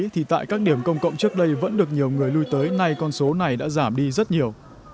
thì tại các điểm công cộng trước đây vẫn được nhiều người lưu tới nay con số này đã giảm đi rất nhiều